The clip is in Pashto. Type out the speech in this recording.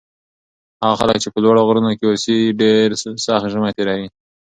هغه خلک چې په لوړو غرونو کې اوسي ډېر سخت ژمی تېروي.